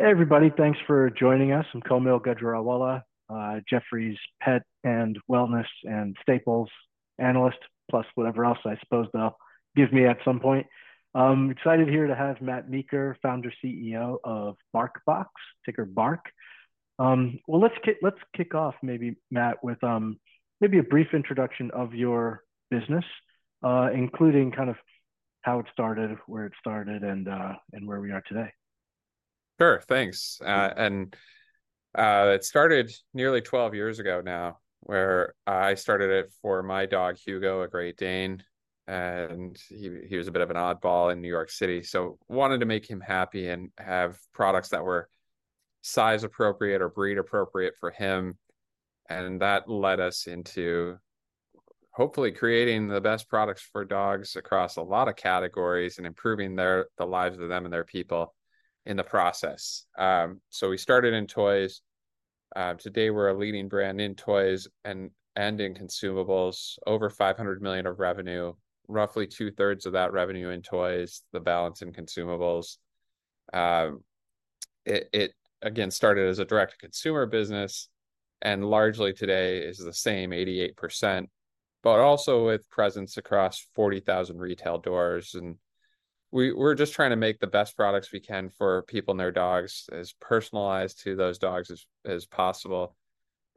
Hey, everybody. Thanks for joining us. I'm Kaumil Gajrawala, Jefferies Pet and Wellness and Staples analyst, plus whatever else I suppose they'll give me at some point. I'm excited here to have Matt Meeker, founder, CEO of BarkBox, ticker BARK. Well, let's kick off maybe, Matt, with maybe a brief introduction of your business, including kind of how it started, where it started, and where we are today. Sure, thanks. It started nearly 12 years ago now, where I started it for my dog, Hugo, a Great Dane, and he was a bit of an oddball in New York City. So wanted to make him happy and have products that were size-appropriate or breed-appropriate for him, and that led us into hopefully creating the best products for dogs across a lot of categories and improving the lives of them and their people in the process. We started in toys. Today we're a leading brand in toys and in consumables. Over $500 million of revenue, roughly two-thirds of that revenue in toys, the balance in consumables. It again started as a direct-to-consumer business, and largely today is the same, 88%, but also with presence across 40,000 retail doors, and we're just trying to make the best products we can for people and their dogs, as personalized to those dogs as possible,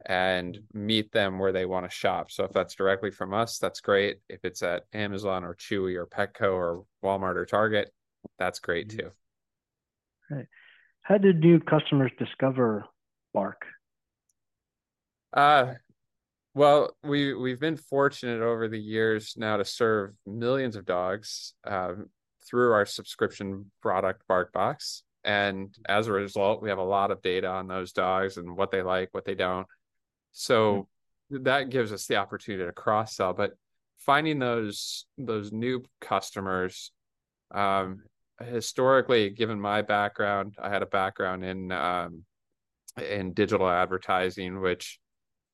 and meet them where they want to shop. So if that's directly from us, that's great. If it's at Amazon or Chewy or Petco or Walmart or Target, that's great, too. Right. How did new customers discover BARK? Well, we, we've been fortunate over the years now to serve millions of dogs through our subscription product, BarkBox, and as a result, we have a lot of data on those dogs and what they like, what they don't. Mm. So that gives us the opportunity to cross-sell. But finding those new customers, historically, given my background, I had a background in digital advertising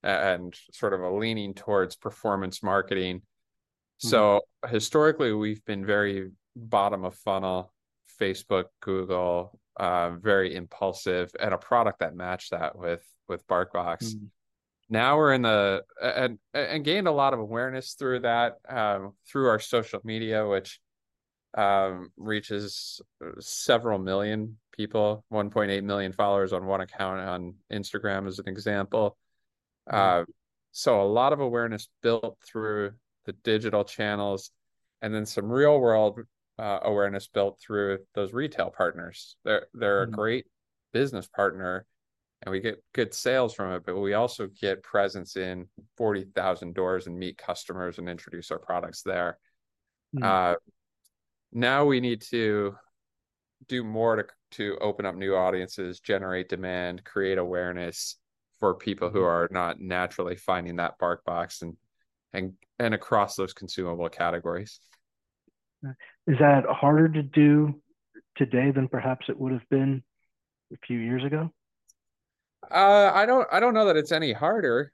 and sort of a leaning towards performance marketing. Mm. Historically, we've been very bottom of funnel, Facebook, Google, very impulsive, and a product that matched that with BarkBox. Mm. Now we're in the air and gained a lot of awareness through that, through our social media, which reaches several million people, 1.8 million followers on one account on Instagram, as an example. Mm. So a lot of awareness built through the digital channels, and then some real-world, awareness built through those retail partners. They're- Mm... they're a great business partner, and we get good sales from it, but we also get presence in 40,000 doors and meet customers and introduce our products there. Mm. Now we need to do more to open up new audiences, generate demand, create awareness for people who are not naturally finding that BarkBox and across those consumable categories. Is that harder to do today than perhaps it would have been a few years ago? I don't know that it's any harder.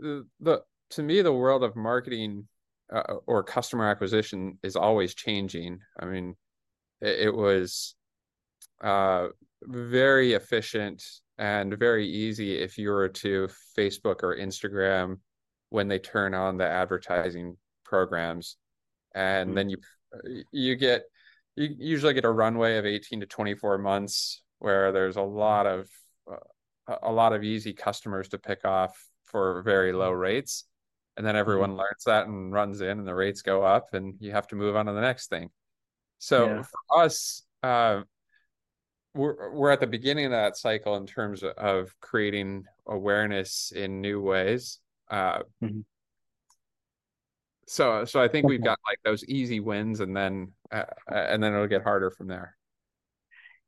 To me, the world of marketing or customer acquisition is always changing. I mean, it was very efficient and very easy if you were to Facebook or Instagram when they turn on the advertising programs- Mm... and then you usually get a runway of 18-24 months, where there's a lot of, a lot of easy customers to pick off for very low rates, and then- Mm... everyone learns that and runs in, and the rates go up, and you have to move on to the next thing. Yeah. So for us, we're at the beginning of that cycle in terms of creating awareness in new ways. Mm-hmm... so I think we've- Mm... got, like, those easy wins, and then it'll get harder from there.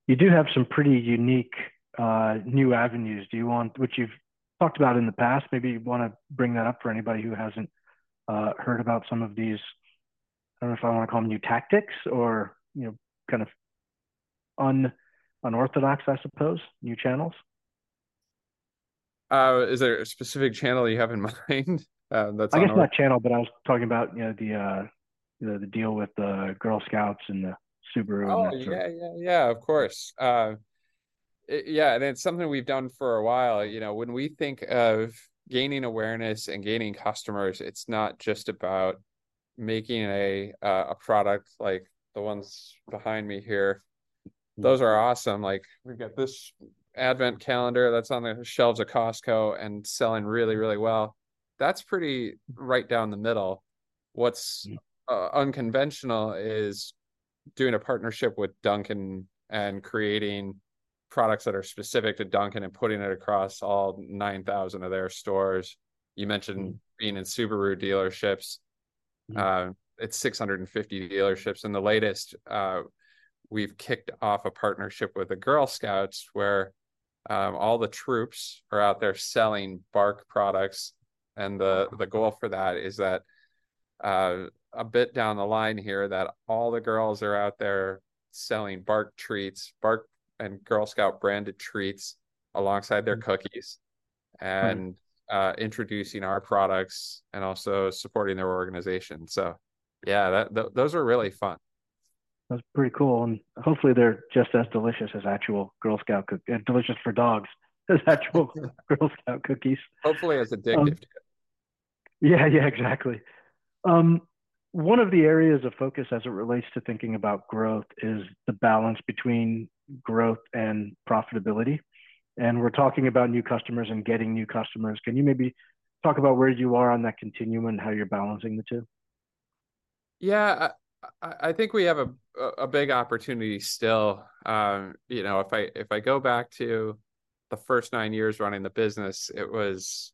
You do have some pretty unique, new avenues. Do you want... Which you've talked about in the past, maybe you want to bring that up for anybody who hasn't heard about some of these, I don't know if I want to call them new tactics or, you know, kind of unorthodox, I suppose, new channels? Is there a specific channel you have in mind? That's- I guess not channel, but I was talking about, you know, the deal with the Girl Scouts and the Subaru and et cetera. Oh, yeah, yeah, yeah, of course. Yeah, and it's something we've done for a while. You know, when we think of gaining awareness and gaining customers, it's not just about making a product like the ones behind me here. Mm. Those are awesome. Like, we've got this advent calendar that's on the selves of Costco and selling really, really well. That's pretty right down the middle. Mm. What's unconventional is doing a partnership with Dunkin' and creating products that are specific to Dunkin' and putting it across all 9,000 of their stores. You mentioned being in Subaru dealerships. Mm. It's 650 dealerships, and the latest, we've kicked off a partnership with the Girl Scouts, where all the troops are out there selling Bark products, and the goal for that is that, a bit down the line here, that all the girls are out there selling Bark treats, Bark and Girl Scout branded treats alongside their cookies... and introducing our products and also supporting their organization. So yeah, those are really fun. That's pretty cool, and hopefully they're just as delicious for dogs as actual Girl Scout cookies. Hopefully as addictive. Yeah. Yeah, exactly. One of the areas of focus as it relates to thinking about growth is the balance between growth and profitability, and we're talking about new customers and getting new customers. Can you maybe talk about where you are on that continuum and how you're balancing the two? Yeah, I think we have a big opportunity still. You know, if I go back to the first nine years running the business, it was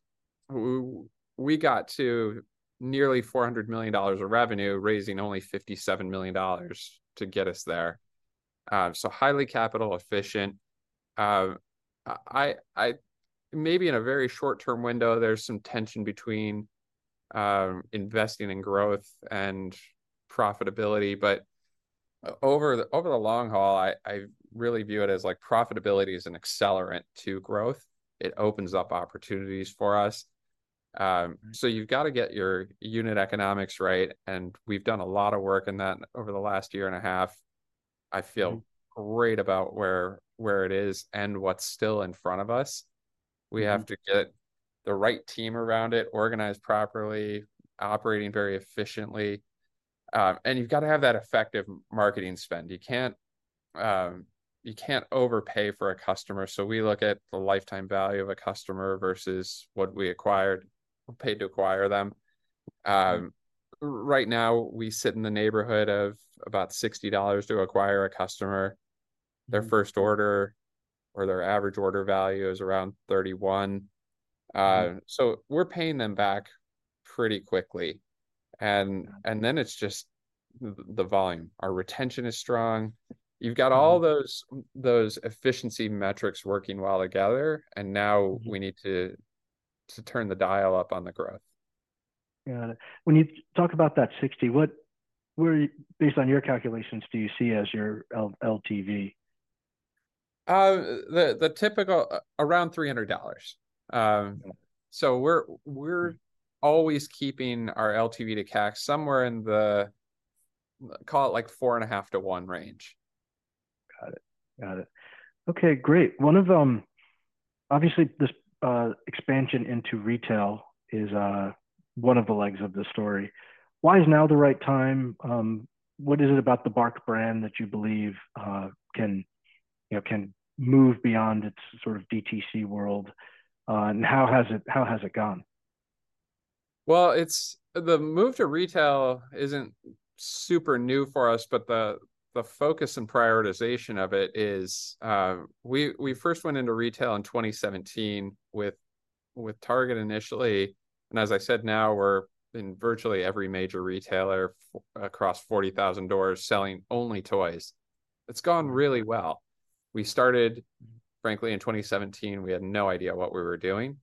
we got to nearly $400 million of revenue, raising only $57 million to get us there. So highly capital efficient. I maybe in a very short-term window, there's some tension between investing in growth and profitability, but over the long haul, I really view it as like profitability is an accelerant to growth. It opens up opportunities for us. So you've got to get your unit economics right, and we've done a lot of work in that over the last year and a half. Mm. I feel great about where it is and what's still in front of us. Mm. We have to get the right team around it, organized properly, operating very efficiently, and you've got to have that effective marketing spend. You can't, you can't overpay for a customer. So we look at the lifetime value of a customer versus what we acquired, or paid to acquire them. Right now, we sit in the neighborhood of about $60 to acquire a customer. Mm. Their first order or their average order value is around $31. Mm. So we're paying them back pretty quickly, and then it's just the volume. Our retention is strong. Mm. You've got all those efficiency metrics working well together, and now- Mm... we need to turn the dial up on the growth. Got it. When you talk about that $60, based on your calculations, do you see as your LTV? The typical, around $300. Mm. So we're always keeping our LTV to CAC somewhere in the, call it like 4.5:1 range. Got it. Got it. Okay, great. One of them, obviously, this expansion into retail is one of the legs of the story. Why is now the right time? What is it about the BARK brand that you believe can, you know, can move beyond its sort of DTC world? And how has it, how has it gone? Well, the move to retail isn't super new for us, but the focus and prioritization of it is... We first went into retail in 2017 with Target initially, and as I said, now we're in virtually every major retailer across 40,000 doors, selling only toys. It's gone really well. We started, frankly, in 2017, we had no idea what we were doing.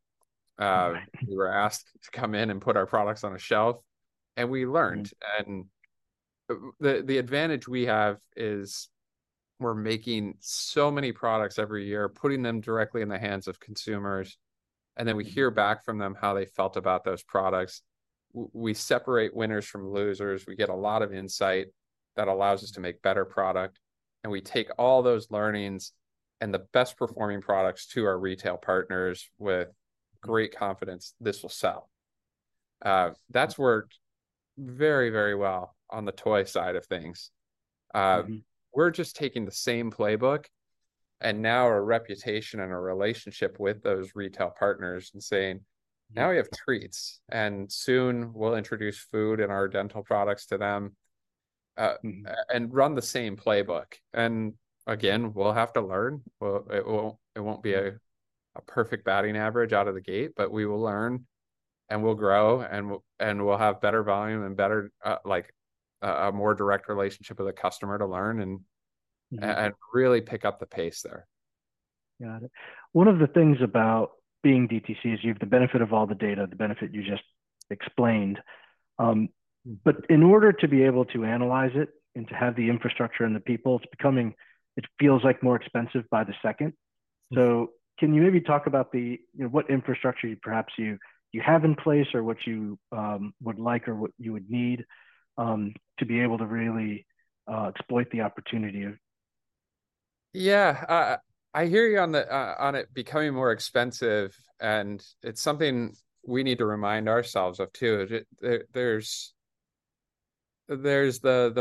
Right. We were asked to come in and put our products on a shelf, and we learned. Mm. The advantage we have is, we're making so many products every year, putting them directly in the hands of consumers- Mm... and then we hear back from them how they felt about those products. We separate winners from losers. We get a lot of insight that allows us to make better product, and we take all those learnings and the best-performing products to our retail partners with great confidence this will sell. Mm... that's worked very, very well on the toy side of things. Mm... we're just taking the same playbook, and now our reputation and our relationship with those retail partners and saying- Mm... "Now we have treats, and soon we'll introduce food and our dental products to them," and run the same playbook. And again, we'll have to learn. Well, it won't, it won't be a, a perfect batting average out of the gate, but we will learn, and we'll grow, and, and we'll have better volume and better, like a, a more direct relationship with the customer to learn and- Yeah... and really pick up the pace there. Got it. One of the things about being DTC is you have the benefit of all the data, the benefit you just explained. But in order to be able to analyze it and to have the infrastructure and the people, it's becoming, it feels like, more expensive by the second. Mm. So can you maybe talk about the, you know, what infrastructure you perhaps have in place, or what you would like or what you would need to be able to really exploit the opportunity? Yeah. I hear you on the, on it becoming more expensive, and it's something we need to remind ourselves of, too. There's the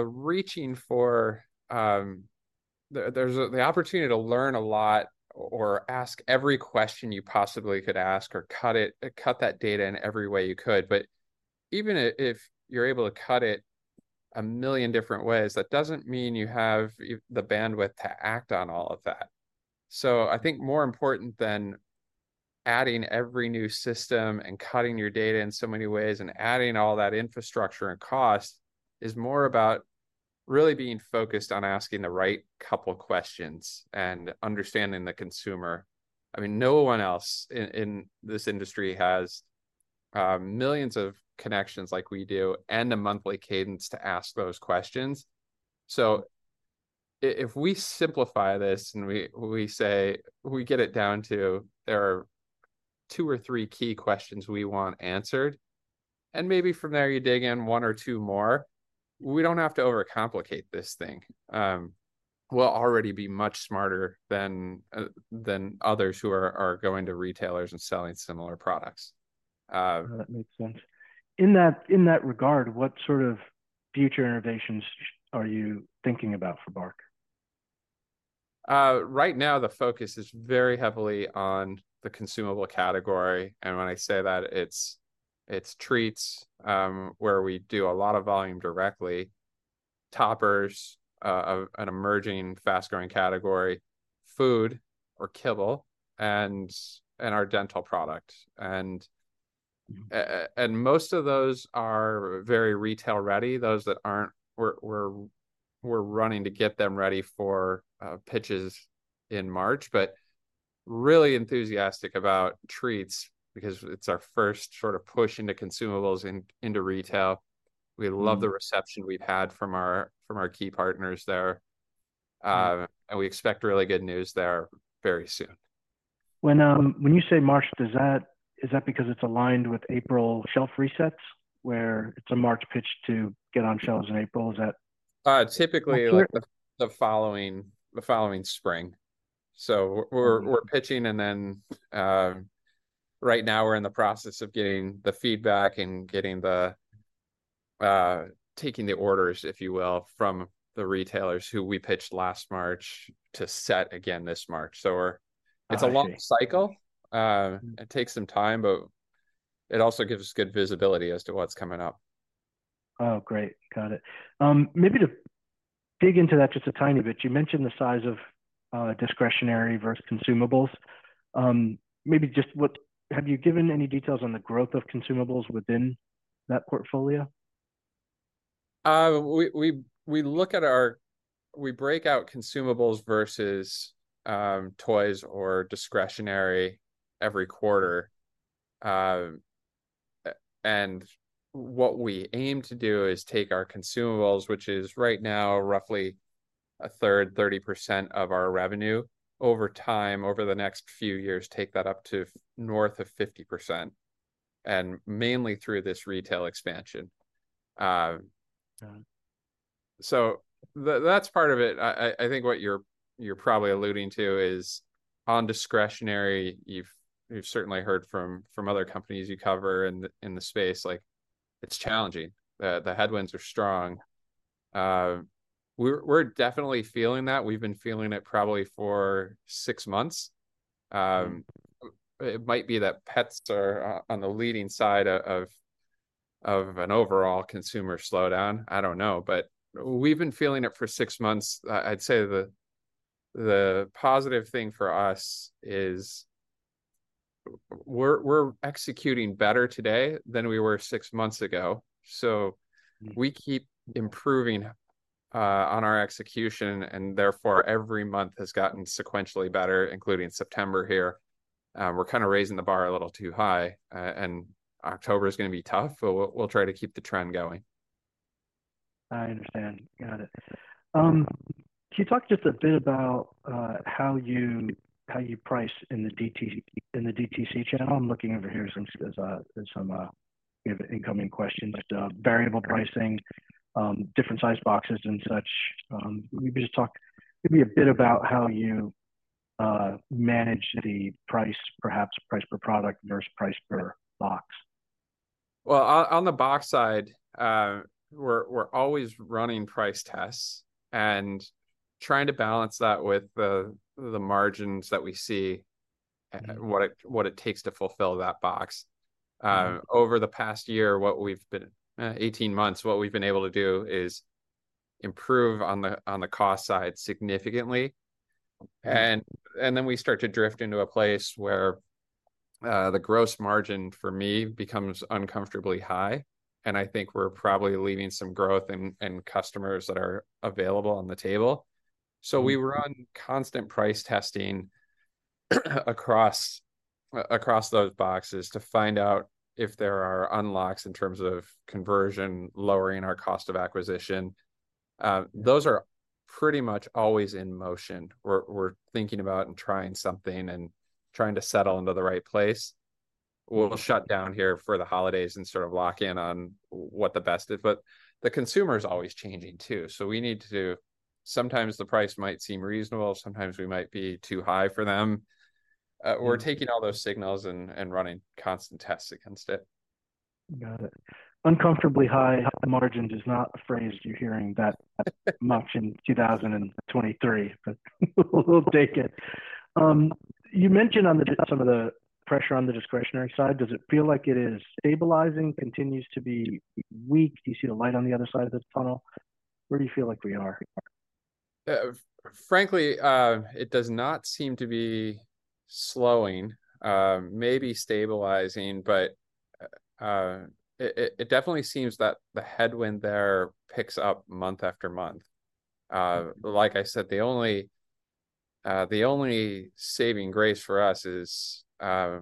opportunity to learn a lot or ask every question you possibly could ask or cut that data in every way you could. But even if you're able to cut it a million different ways, that doesn't mean you have the bandwidth to act on all of that. So I think more important than adding every new system and cutting your data in so many ways and adding all that infrastructure and cost, is more about really being focused on asking the right couple of questions and understanding the consumer. I mean, no one else in this industry has millions of connections like we do and a monthly cadence to ask those questions. So if we simplify this and we say we get it down to there are two or three key questions we want answered, and maybe from there you dig in one or two more, we don't have to overcomplicate this thing. We'll already be much smarter than others who are going to retailers and selling similar products. That makes sense. In that, in that regard, what sort of future innovations are you thinking about for BARK? Right now, the focus is very heavily on the consumable category, and when I say that, it's treats, where we do a lot of volume directly, toppers, an emerging fast-growing category, food or kibble, and our dental product. Most of those are very retail-ready. Those that aren't, we're running to get them ready for pitches in March. But really enthusiastic about treats, because it's our first sort of push into consumables and into retail. Mm. We love the reception we've had from our key partners there. Yeah. We expect really good news there very soon. When you say March, is that because it's aligned with April shelf resets, where it's a March pitch to get on shelves in April? Is that- Uh, typically- -clear-... like the following spring. So- Mm... we're pitching, and then right now we're in the process of getting the feedback and taking the orders, if you will, from the retailers who we pitched last March to set again this March. So we're- I see. It's a long cycle. It takes some time, but it also gives us good visibility as to what's coming up. Oh, great. Got it. Maybe to dig into that just a tiny bit, you mentioned the size of discretionary versus consumables. Maybe just what... Have you given any details on the growth of consumables within that portfolio? We break out consumables versus toys or discretionary every quarter. And what we aim to do is take our consumables, which is right now roughly a third, 30% of our revenue, over time, over the next few years, take that up to north of 50%, and mainly through this retail expansion. Uh. So that's part of it. I think what you're probably alluding to is on discretionary. You've certainly heard from other companies you cover in the space, like, it's challenging. The headwinds are strong. We're definitely feeling that. We've been feeling it probably for six months. It might be that pets are on the leading side of an overall consumer slowdown, I don't know, but we've been feeling it for six months. I'd say the positive thing for us is we're executing better today than we were six months ago. So- Mm... we keep improving on our execution, and therefore, every month has gotten sequentially better, including September here. We're kind of raising the bar a little too high, and October is gonna be tough, but we'll try to keep the trend going. I understand. Got it. Can you talk just a bit about how you price in the DTC channel? I'm looking over here. We have some incoming questions, but variable pricing, different size boxes and such. Maybe just talk a bit about how you manage the price, perhaps price per product versus price per box. Well, on the box side, we're always running price tests and trying to balance that with the margins that we see- Mm... and what it takes to fulfill that box. Mm. Over the past 18 months, what we've been able to do is improve on the cost side significantly. And then we start to drift into a place where the gross margin for me becomes uncomfortably high, and I think we're probably leaving some growth and customers that are available on the table. Mm. So we run constant price testing across those boxes to find out if there are unlocks in terms of conversion, lowering our cost of acquisition. Those are pretty much always in motion. We're thinking about and trying something and trying to settle into the right place. We'll shut down here for the holidays and sort of lock in on what the best is, but the consumer is always changing too, so we need to sometimes the price might seem reasonable, sometimes we might be too high for them. Mm. We're taking all those signals and running constant tests against it. Got it. Uncomfortably high, the margin is not a phrase you're hearing that much in 2023, but we'll take it. You mentioned some of the pressure on the discretionary side, does it feel like it is stabilizing, continues to be weak? Do you see the light on the other side of the tunnel? Where do you feel like we are? Frankly, it does not seem to be slowing, maybe stabilizing, but it definitely seems that the headwind there picks up month after month. Like I said, the only saving grace for us is, I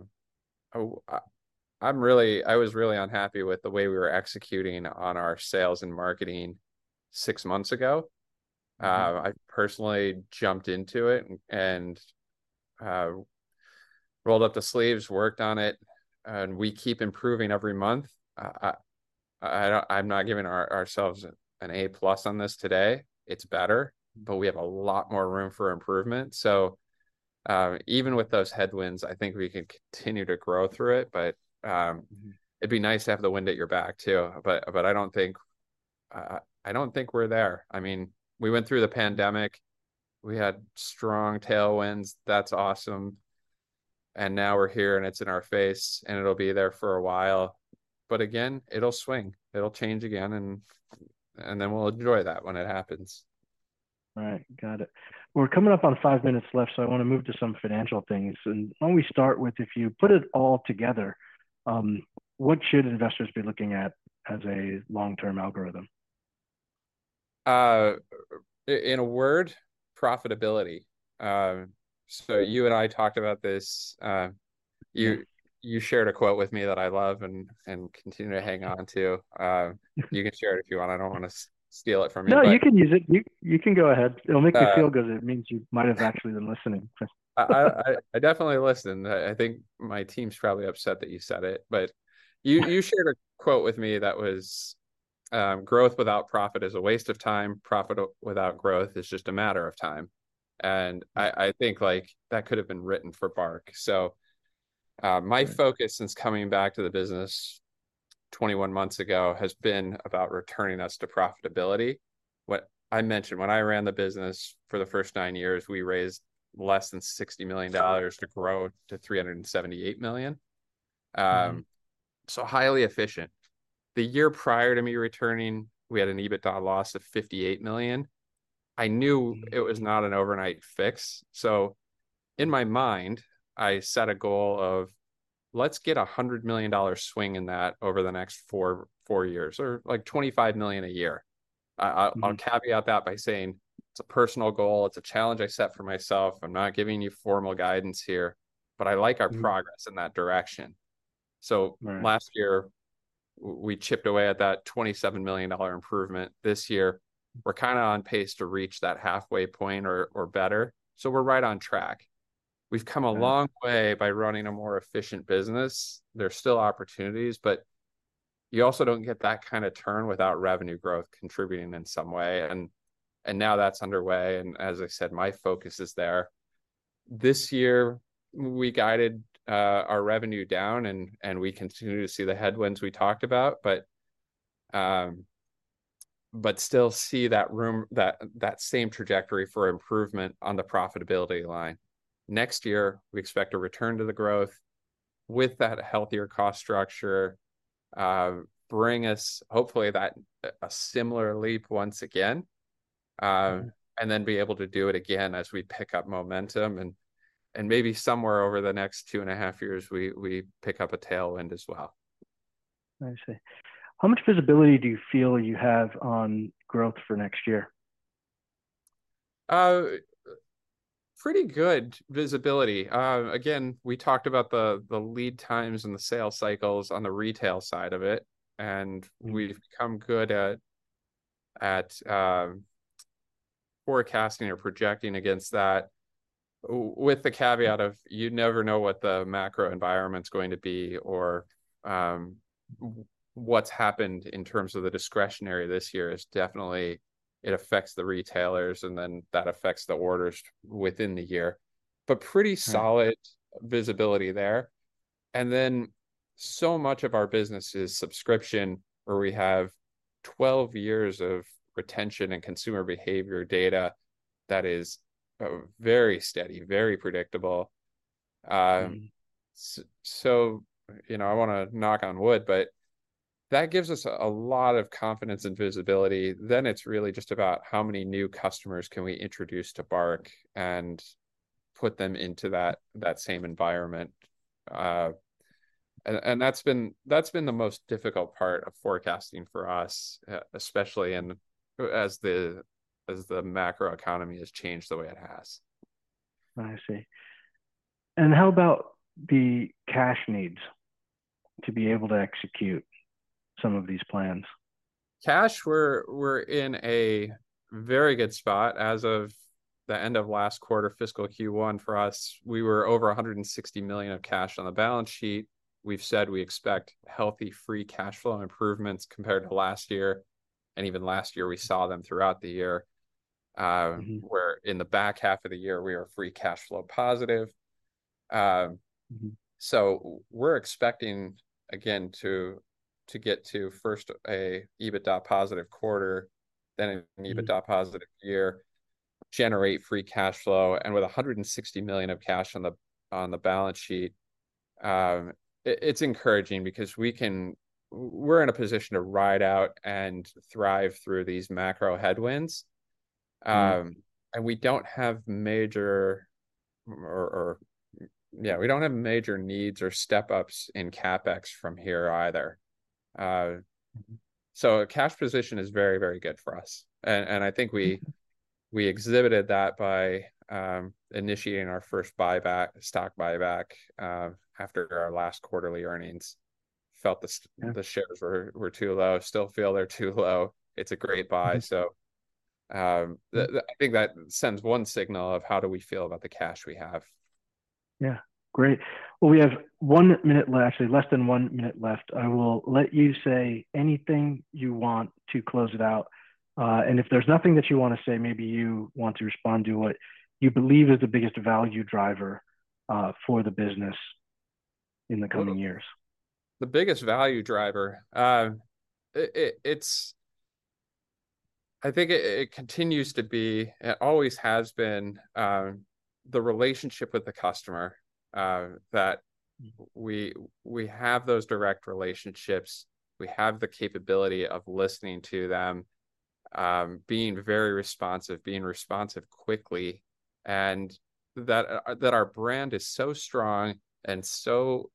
was really unhappy with the way we were executing on our sales and marketing six months ago. I personally jumped into it and rolled up the sleeves, worked on it, and we keep improving every month. I'm not giving ourselves an A+ on this today. It's better, but we have a lot more room for improvement. So, even with those headwinds, I think we can continue to grow through it, but it'd be nice to have the wind at your back, too, but I don't think we're there. I mean, we went through the pandemic. We had strong tailwinds. That's awesome, and now we're here, and it's in our face, and it'll be there for a while, but again, it'll swing. It'll change again, and, and then we'll enjoy that when it happens. Right. Got it. We're coming up on five minutes left, so I want to move to some financial things, and why don't we start with if you put it all together, what should investors be looking at as a long-term algorithm? In a word, profitability. So you and I talked about this. Yeah. You shared a quote with me that I love and continue to hang on to. You can share it if you want. I don't want to steal it from you. No, you can use it. You can go ahead. Uh- It'll make me feel good. It means you might have actually been listening. I definitely listened. I think my team's probably upset that you said it, but you- Yeah... you shared a quote with me that was, "Growth without profit is a waste of time. Profit without growth is just a matter of time." And I, I think, like, that could have been written for BARK. So, my focus since coming back to the business 21 months ago, has been about returning us to profitability. I mentioned when I ran the business for the first 9 years, we raised less than $60 million to grow to $378 million. Mm. So highly efficient. The year prior to me returning, we had an EBITDA loss of $58 million. I knew- Mm... it was not an overnight fix, so in my mind, I set a goal of let's get a $100 million swing in that over the next 4, 4 years or, like, $25 million a year. Mm. I'll caveat that by saying it's a personal goal. It's a challenge I set for myself. I'm not giving you formal guidance here, but I like our- Mm... progress in that direction. So- Right... last year, we chipped away at that $27 million improvement. This year, we're kind of on pace to reach that halfway point or, or better. So we're right on track. Right. We've come a long way by running a more efficient business. There's still opportunities, but you also don't get that kind of turn without revenue growth contributing in some way, and, and now that's underway, and as I said, my focus is there. This year, we guided, our revenue down, and, and we continue to see the headwinds we talked about, but, but still see that room, that, that same trajectory for improvement on the profitability line. Next year, we expect a return to the growth with that healthier cost structure, bring us hopefully that, a similar leap once again, and then be able to do it again as we pick up momentum, and, and maybe somewhere over the next two and a half years, we, we pick up a tailwind as well. I see. How much visibility do you feel you have on growth for next year? Pretty good visibility. Again, we talked about the lead times and the sales cycles on the retail side of it, and we've- Mm... become good at forecasting or projecting against that, with the caveat of you never know what the macro environment's going to be or, what's happened in terms of the discretionary this year is definitely. It affects the retailers, and then that affects the orders within the year, but pretty- Right... solid visibility there, and then so much of our business is subscription, where we have 12 years of retention and consumer behavior data that is very steady, very predictable. Mm. So, you know, I want to knock on wood, but that gives us a lot of confidence and visibility. Then, it's really just about how many new customers can we introduce to Bark and put them into that same environment. And that's been the most difficult part of forecasting for us, especially as the macro economy has changed the way it has. I see. And how about the cash needs to be able to execute some of these plans? Cash, we're, we're in a very good spot. As of the end of last quarter, fiscal Q1 for us, we were over $160 million of cash on the balance sheet. We've said we expect healthy free cash flow improvements compared to last year, and even last year, we saw them throughout the year. Mm-hmm. We're in the back half of the year, we are free cash flow positive. Mm-hmm. We're expecting again to get to first a EBITDA positive quarter, then- Mm... an EBITDA positive year, generate free cash flow, and with $160 million of cash on the balance sheet, it's encouraging because we're in a position to ride out and thrive through these macro headwinds. Mm. We don't have major needs or step-ups in CapEx from here either. Mm-hmm. So our cash position is very, very good for us, and I think we- Mm... we exhibited that by initiating our first buyback, stock buyback, after our last quarterly earnings. Felt the st- Yeah... the shares were too low. Still feel they're too low. It's a great buy. Mm. So, I think that sends one signal of how do we feel about the cash we have. Yeah, great. Well, we have one minute left, actually less than one minute left. I will let you say anything you want to close it out, and if there's nothing that you want to say, maybe you want to respond to what you believe is the biggest value driver for the business in the coming years. The biggest value driver. It's... I think it continues to be, and always has been, the relationship with the customer, that we have those direct relationships. We have the capability of listening to them, being very responsive, being responsive quickly, and that our brand is so strong and so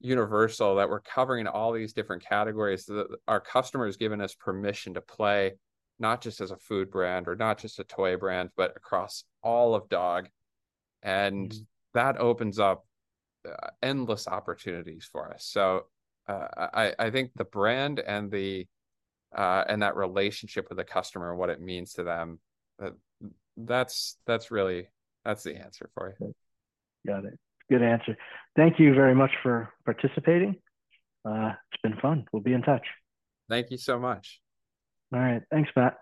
universal that we're covering all these different categories. So that our customers has given us permission to play, not just as a food brand or not just a toy brand, but across all of dog- Mm... and that opens up, endless opportunities for us. So, I, I think the brand and the, and that relationship with the customer and what it means to them, that's, that's really, that's the answer for you. Got it. Good answer. Thank you very much for participating. It's been fun. We'll be in touch. Thank you so much. All right. Thanks, Matt.